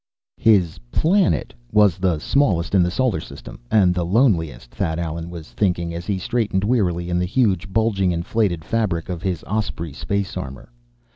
] His "planet" was the smallest in the solar system, and the loneliest, Thad Allen was thinking, as he straightened wearily in the huge, bulging, inflated fabric of his Osprey space armor.